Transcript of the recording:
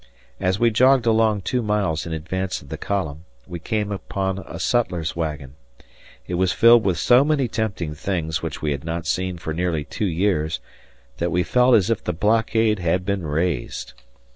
As we jogged along two miles in advance of the column, we came upon a cutler's wagon. It was filled with so many tempting things which we had not seen for nearly two years that we felt as if the blockade had been raised.